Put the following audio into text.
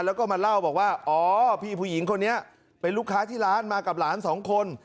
แล้วก็มาเล่าบอกว่าอ๋อพี่ผู้หญิงคนนี้เป็นลูกค้าที่ร้านมากับหลานสองคน